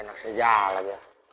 ada anak sejal aja